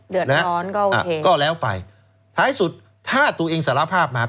เดือดร้อนก็โอเคก็แล้วไปท้ายสุดถ้าตัวเองสารภาพมา